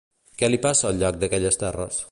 Què li passa al llac d'aquelles terres?